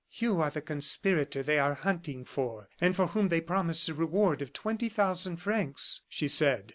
"You are the conspirator they are hunting for, and for whom they promise a reward of twenty thousand francs," she said.